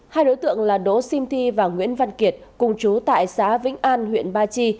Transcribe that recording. hai đối tượng là đỗ sim thi và nguyễn văn kiệt cùng chú tại xã vĩnh an huyện ba chi